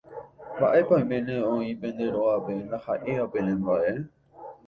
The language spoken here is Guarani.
Mba'épa oiméne oĩ pende rógape ndaha'éiva penemba'e.